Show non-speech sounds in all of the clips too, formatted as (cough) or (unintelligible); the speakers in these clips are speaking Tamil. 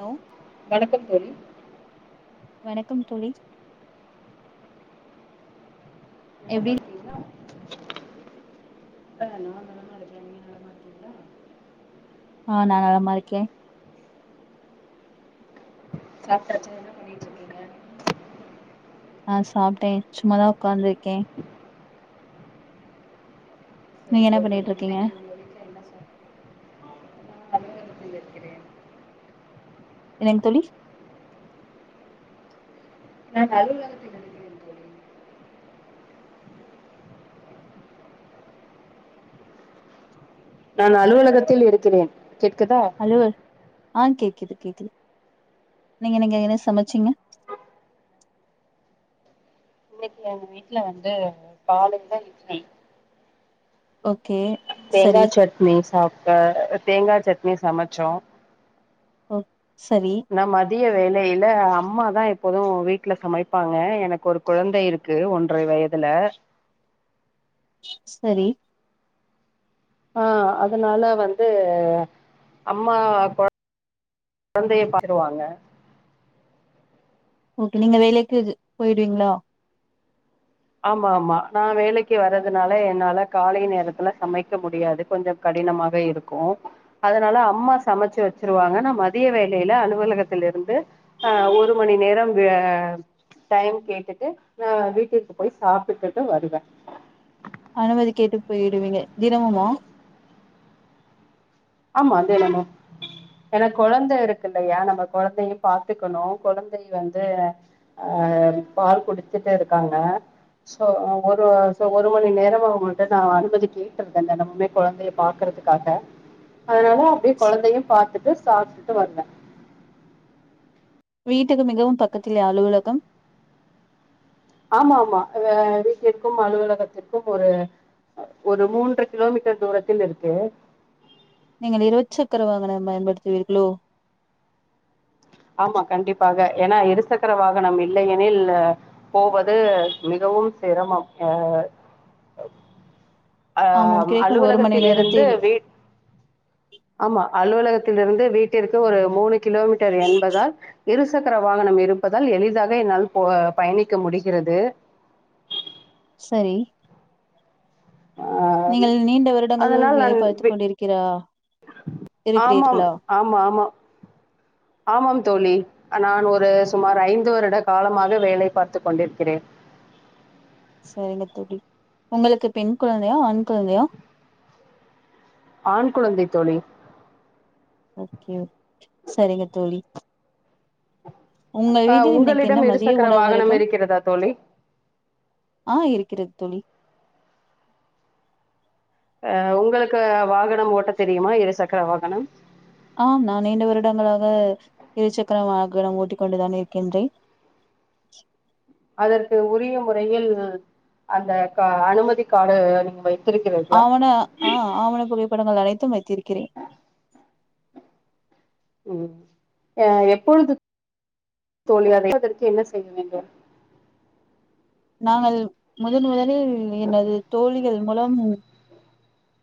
ஹலோ வணக்கம் தோழி வணக்கம் தோழி நலமா எப்டி இ இருக்கீங்களா ஆ நான் நலமா இருக்கேன் நீங்க நலமா இருக்கீங்களா ஆஹ் நா நலமா இருக்கேன் சாப்டாச்சா என்னப் பண்ணிட் இருக்கீங்க ஆஹ் சாப்ட்டேன் சும்மாதான் உக்காந்திருக்கேன் சரி நீங்க என்ன தோழி பண்ணிட்டு இருக்கீங்க இன்னைக்கு உங்க வீட்ல என்ன சாப்பிட்டீங்க நான் அலுவலகத்தில் இருக்கிறேன் என்னங் தோழி நா (unintelligible) நான் அலுவலகத்தில் இருக்கிறேன் கேட்குதா ஹலோ ஆஹ் கேக்கிது கேக்குது நீங்க நீங்க என்ன சமெச்சீங்க ஏன் வீட்ல வந்து காலேல இட்னி ஓ தேங்கா சட்னி சாப்ட தேங்கா சட் னி சமச்சோ ஓ சரி திய வேலெயில அம்மாதா எப்போது வீட்ல சமைப்பாங்க எனக்கு ஒரு கொழந்தை இருக்கு ஒன்றை வயதுல சரி ஆஹ் அதனால வந்து அம்மா கொ கொழந்தைய பாத்துகுவாங்க ஓகே நீங்க வேலேக்கு இது போயிடுவீங்களா ஆமா ஆமா நா வேலைக்கி வரதுனால என்னால காலை நேரத்துல சமைக்க முடியாது கொஞ்சோ கடினமாக இருக்கு அதனால அம்மா சமச்சி வச்சிருவாங்க நா மதிய வேலைல அலுவலகத்துல இருந்து ஆஹ் ஒரு மணி நேரம் வே டைம் கேட்டுட்டு நா வீட்டுக்கு போய் சாப்ட்டுடுட்டு வருவே அனுமதி கேட்டு பொயிடுவீங்க தினமுமா ஆம்மா தினமு ஏன்னா கொழந்த இருக்கு இல்லையா நம்ம கொழந்தயு பாத்துக்கணு கொழந்தை வந்து ஆஹ் பால் குடுச்சிட்டு இருக்காங்க சோ ஒரு சோ ஒரு மணி நேரம் அவங்கள்ட நா அனுமதி கேட்டுருக்கன் தெனமுமே கொழந்தைய பாக்குறதுக்காக அதனால அப்டியே கொழந்தயு பாத்துட்டு சாப்ட்டுட்டு வருவ வீட்டுக்கு மிகவு பக்கத்திலேயா அலுவலகம் ஆமா ஆமா ஆஹ் வீட்டிற்கும் அலுவலகத்திற்கும் ஒரு ஒரு மூன்று கிலோமீட்டர் தூரத்தில் இருக்கு நீங்கள் இருச்சக்கர வாகனம் பயன்படுத்துவீர்களோ ஆமா கண்டிப்பாக ஏன்னா இருசக்கர வாகனம் இல்லையெனில் அஹ் போவது மிகவும் சிரமம் ஆஹ் அ ஆமாம் ஆஹ் கிடைக்கும் ஒரு மணி அலுவலகத்தில் இருந்து நேரத்தில் வீட் ஆமா அலுவலகத் தில் இருந்து வீட்டிற்கு ஒரு மூணு கிலோமீட்டர் என் இருசக்கர வாகனம் இருப்பதால் எளிதாக என்னால் போக பயணிக்க முடிகிறது சரி ஆஹ் நீங்கள் நீண்ட வருடங்கள் அதனால் வேலை நான் பார்த்து வெ கொண்டிருக்கிறா ஆமாம் இருக்கிறீர்களா ஆமா ஆமா ஆமாம் தோழி நான் ஒரு சுமார் ஐந்து வருட காலமாக வேலை பார்த்துக் கொண்டிரிக்கிறேன் சரிங்க தோழி உங்களுக்கு பெண் குழந்தையா ஆண் குழந்தையா ஆண் குழந்தை தோழி ஓகே சரிங்க தோழி உங்கள் ஆஹ் வீட்டில் இன்னைக்கு என்ன உங்களிடம் மதிய இருசக்கர உணவு வாகனம் இருக்கும் இருக்கிறதா தோழி ஆ இருக்கிறது தோழி ஆஹ் உங்களுக்கு வாகனம் ஓட்ட தெரியுமா இருசக்கர வாகனம் ஆம் நான் நீண்ட வருடங்களாக இரு சக்கர வகனாம் ஊட்டிக் கொண்டுதான் இருக்கின்றே அதற்கு உரிய முறையில் அந்த கா அனுமதி கார்டு நீங்க வை ஆவண ஆஹ் ஆவனை புரியப் படங்கள் அனைத்தும் வைத்திருக்கிறே உம் அஹ் எப்பொழுது தோழி அதை வைப்பதற்கு என்ன செய்ய வேண்டும் நாங்கள் முதன் முதலில் எனது தோழிகள் மூலம்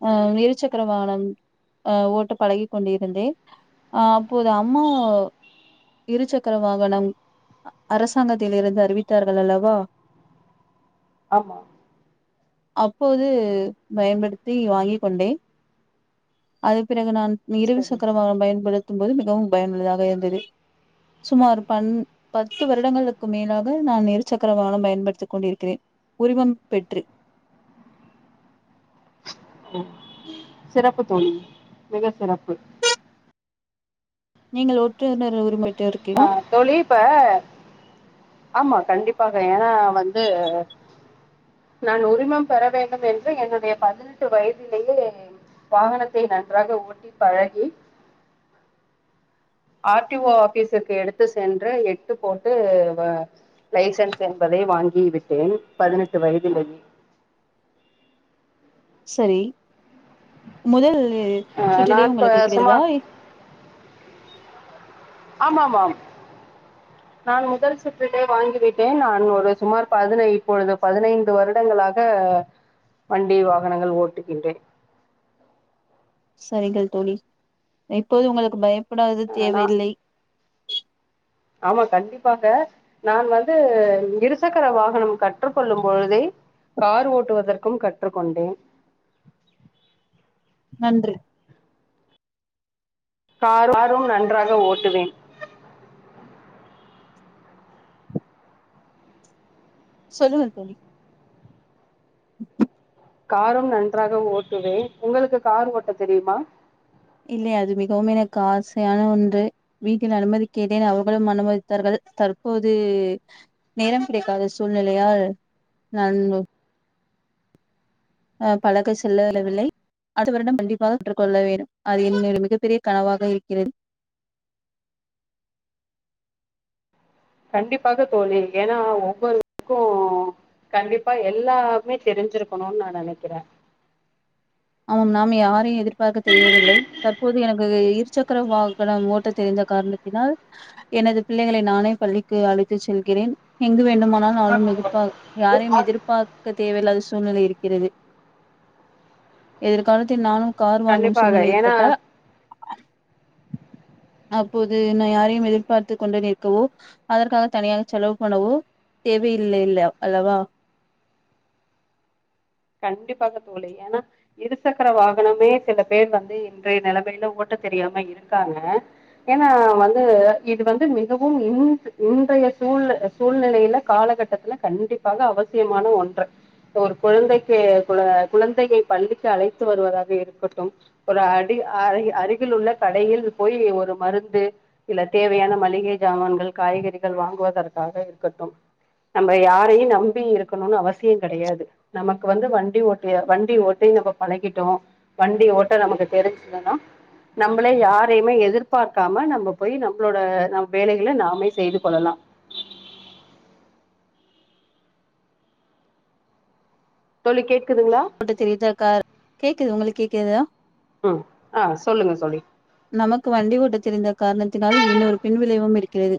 அஹ் இரு சக்கர வாகனம் அஹ் ஓட்ட பழக் கொண்டிருந்தே அஹ் அப்போது அம்மா இரு சக்கர வாகனம் அரசாங்கத்தில் இருந்து அறிவித்தார்கள் அல்லவா ஆமா அப்போது பயபடுத் தி வாங்கிக் கொண்டே அது பி றகு நான் இருல் சரி சக்கர வாகனம் பயன்படுத் போது மிகவும் பயனுள்ளதாக இருந்தது சுமார் பண் பத்து வருடங்களுக்கு மேலாக நான் இரு சக்கர வாகனம் பயன்படுத்திக் கொண்டிருக்கிறே உரிமம் பெற்று சிறப்பு தோழி மிக சிறப்பு நீங்கள் ஒட்டுனர் உரிமை ஆஹ தோழிப்ப ஆமா கண்டிப்பாக ஏன்னா வந்து நான் உரிமம் பெற வேண்டும் என்று என்னுடைய பதினெட்டு வயதிலேயே வாகனத்தை நன்றாக ஓட்டி பழகி ஆர்டிஓ ஆபீஸிற்கு எடுத்து சென்று எட்டு போட்டு லைசன்ஸ் என்பதை வாங்கி விட்டேன் பதினெட்டு வயதிலயே சரி முதல் அஹ் சுற்றிலேயே நான் இப்ப உங்களுக்கு சுமார் கிடைதாய இப் ஆமா ஆமா நான் முதல் சுற்றட்டே வாங்கிவிட்டேன் நான் ஒரு சுமார் பதினை இப்பொழுது பதினைந்து வருடங்களாக வண்டி வாகனங்கள் ஓட்டுகின்றே சரிங்க தோழி இப்போது உங்களுக்கு பயம் கூடாது அஹ் நான் தேவையில்லை ஆமா கண்டிப்பாக நான் வந்து இருசக்கர வாகனம் கற்றுக்கொள்ளும் பொழுதே கார் ஓட்டுவதற்கும் கற்றுக்கொண்டேன் நன்று கார்ரும் நன்றாக ஓட்டுவேன் சொல்லுங்க தோழி (inaudible) காரும் நன்றாக ஓட்டுவேன் உங்களுக்கு கார் ஓட்ட தெரியுமா இல்லை அது மிகவும் எனக்கு ஆசையான ஒன்று வீட்டில் அனுமதிக்கேட்டேன் அவர்களும் அனுமதித்தார்கள் தற்போது நேரம் கிடைக்காத சூழ்நிலையால் நான் அஹ் பழக செல்லவில்லை அ வருடம் கண்டிப்பாக சுற்றுக்கொள்ள வேண்டும் அது என் மிகப்பெரிய கனவாக இருக்கிறது கண்டிப்பாக தோழி ஏன்னா ஒவ்வொருருக்கும் கண்டிப்பா எல்லாமே தெரிஞ்சிருக்கணும் நான் நினைக்கிறேன் அவன் நாம் யாரையும் எதிர்பார்க்க தெரியவில்லை தற்போது எனக்கு இரு சக்கர வாகனம் ஓட்ட தெரிந்த காரணத்தினால் எனது பிள்ளைகளை நானே பள்ளிக்கு அழைத்து செல்கிறேன் எங்கு வேண்டும் எங்கு போன எதிர்ப யாரையும் எதிர்பார்க்க தேவல்லா அது சூழ்நிலை இருக்கிறது எதிர்காலத்தில் நானும் கார் வாங்கும் கண்டிப்பாக சூழ்நிலை ஏன்னா ஏற்பட்டால் அப்போது நான் யாரையும் எதிர்பார்த்து கொண்டு நிற்கவோ அதற்காக தனியாக செலவு பண்ணவோ தேவையில்லைலா அல்லவா கண்டிப்பாக தோழி ஏன்னா இருசக்கர வாகனமே சில பேர் வந்து இன்றைய நிலைமையில ஓட்ட தெரியாம இருக்காங்க ஏன்னா வந்து இது வந்து மிகவும் இ இன்றைய சூழ் சூழ்நிலையில காலகட்டத்துல கண்டிப்பாக அவசியமான ஒன்று ஒரு குழந்தை குழந்தையை பள்ளிக்கு அழைத்து வருவதாக இருக்கட்டும் ஒரு அடி அ அருகில் உள்ள கடையில் போய் ஒரு மருந்து இல்ல தேவையான மளிகை ஜாமன்கள் காய்கறிகள் வாங்குவதற்காக இருக்கட்டும் நம்ம யாரையும் நம்பி இருக்கணும்னு அவசியம் கிடையாது நமக்கு க்கு வந்து வண்டி ஓட்ட வண்டி ஓட்டி நம்ம பழகிட்டோம் வண்டி ஓட்ட நமக்கு தெரிஞ்சதுன்னா நம்மள யாரையுமே எதிர்பார்க்காம நம்ம போய் நம்மளோட நம் வேலைகளை நாமே செய்து கொள்ளலாம் தோழி கேக் போட்டு தெரியுதாக்கார் கேக்குது உங்களுக்கு கே கேக்குதா ம் ஆ சொல்லுங்க சோழி நமக்கு வண்டி ஊட்டத் தெரிந்த காரணத்தினால் இன்னொரு பின்விளைவும் இருக்கிறது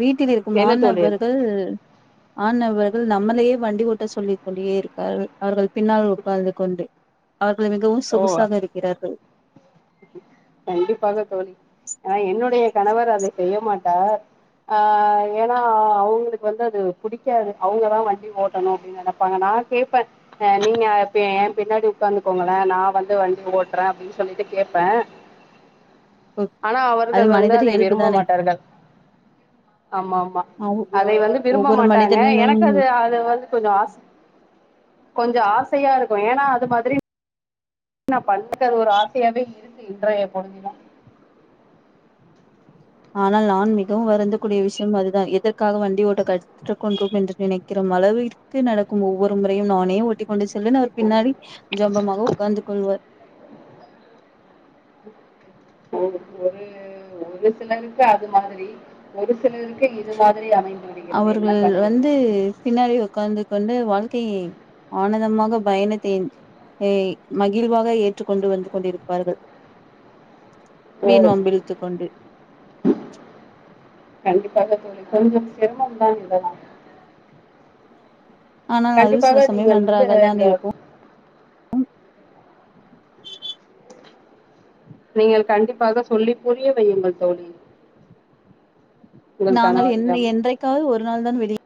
வீட்டில் இருக்கும் என்ன தோழி அது மாணபர்கள் ஆண இவர்கள் நம்மளையே வண்டி ஓட்ட சொல்லிக்க கொண்டே இருக்கார்கள் அவர்கள் பின்னால் உட்கார்ந்து கொண்டு அவர்கள் மிகவும் ஓ சொகுசாக இருக்கிறார்கள் கண்டிப்பாக தோழி ஏனா என்னுடைய கணவர் அதை செய்ய மாட்டார் ஆஹ் ஏன்னா அவங்களுக்கு வந்து அது பிடிக்காது அவங்கதான் வண்டி ஓட்டணு அப்படின்னு நினைப்பாங்க நான் கேடப்பேன் நீங்க என் பின்னாடி உட்காந்துக்கோங்களே நான் வந்து வண்டி ஓட்டுறேன்னு அப்படின்னு சொல்லிட்டு கேன் இப்ப ஆன்னா அது அவர்கள் வந்து மனிதர் அதை இயல்பு விரும்ப தானே மாட்டார்கள் ஆமா ஆமா அதை வந்து விரும்ப ஒவ்வொரு மாட்டாங்க மனிதனினும் எனக்கு அது அது வந்து கொஞ்சம் ஆச கொஞ்ச ஆசை சையா இருக்கு ஏனா அது மாதிரி ந பல்லக்கர் ஒரு ஆசையாவே இருந்து இன்றைய பொழுதிதா ஆனால் நான் மிகவு வறந்தக் கூடிய விஷயம் அதுதா எதற்காக வண்டி ஓட்ட கக்க கொண்டோம் என்று நினைக்கிறோம் அளவிற்கு நடக்கும் ஒவ்வொரு முறையும் நானே ஓட்டி கொண்டு செல்வேன் அவர் பின்னாடி ஜம்பமாக உட்கார்ந்து கொள்வார் ஒ ஒரு சிலருக்கு அது மாதிரி ஒரு சில என்ன அவர்கள் பண்ணுவது வந்து பின்னாடி உ்காந்து கொண்டு வாழ்க் கை ஆனந்தமாக பயணத்தை ஏஹ் மகிழ்வாக ஏற்றுக்கொண்டு வந்து கொண்டிருப்பார்கள் ஓ வீண் வம்பிழுத்து கொண்டு கண்டிப்பாக கொஞ்சம் சிரமம் தான் இததான் ஆனா அது சில சமயம் நன்றாக தான் அஹ், இருக்கு நீங்கள் கண்டிப்பாக சொல்லி புரிய வையுங்கள் தோழி உங்கள் நாங்கள் என் கணவரிடம் என்றைக்காவது ஒரு நாள் தான் வெளி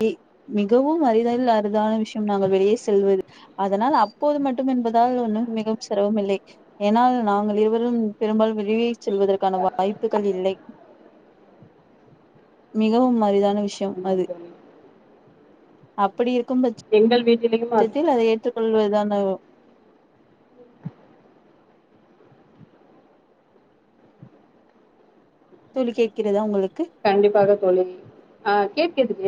மிகவும் அறிதலில் அறிதான நாங்கள் வெளியே செல்வது அதனால் அப்போது மட்டும் என்பதால் ஒன்னும் மிகவும் சிரமம் இல்லை ஏனால் நாங்கள் இருவரும் பெரும்பால விளியை செல்வதற்கான வாய்ப்புகள் இல்லை மிகவும் அரிதான ஆமா தோழி அப் ப்படி இருக்கும் பட்ச எங்கள் வீட்டிலேயும் அது சத்தில் அதை ஏற்றுக்கொள்வதான துழி கேட்கிறதா உங்களுக்கு கண்டிப்பாக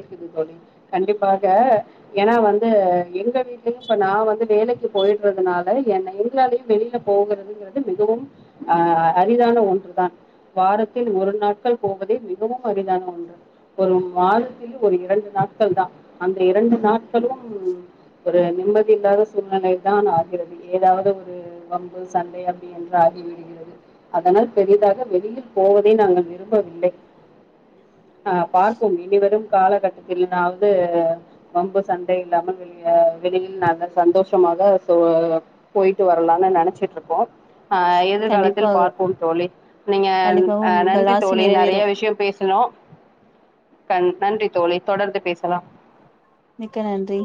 து சொல்லி கண்டிப்பாக ஏன்னா வந்து எங்க வீடலயும் இப்ப நா வந்து வேலைக்கு போயிடுறதுனால என் எங்களாலயும் வெளியில போகிறதுங்கிறது மிகவும் அஹ் அரிதான ஒன்று தான் வாரத்தில் ஒரு நாட்கள் போவதே மிகவும் அதான ஒன்று ஒரு வாரத்தில் ஒரு இரண்டு நாட்கள் தா அந்த இரண்டு நாட்களும் ஒரு நிம்மதியில்ல்லாத சூழ்நிலை தான் ஆகிறது ஏதாவது ஒரு வம்பு சண்டை அப்படி என்று ஆகிவிடுகிறது அதனால் பெரிதாக வெளியில் போவதை நாங்கள் விரும்பவில்லை ஆ பார்ப்போம் இனி வரும் காலகட்டத்தில்னாவது வம்பு சண்டை இல்லாமல் வெளிய வெளியில் நாங்க சந்தோஷமாக ச போயிட்டு வரலாம்னு நினைச்சிட்டு இருக்கோம். ஆஹ் எதிர்காலத்தில் கண்டிப்பாக பார்ப்போம் தோழி நீங்க கண்டிப்பாக உங்கள் நன்றி ஆசை தோழி நிறைய நிறைவேறும் விஷயம் தனு கன் நன்றி தோழி, தொடர்ந்து பேசலாம். மிக்க நன்றி.